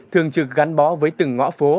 thường trực gắn bó với từng ngõ phố